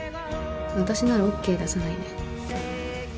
私ならＯＫ出さないね。